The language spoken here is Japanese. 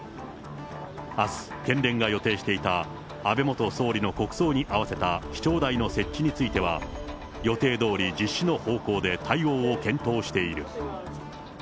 あす、県連が予定していた安倍元総理の国葬に合わせた記帳台の設置については、予定どおり実施の方向で対応を検討している。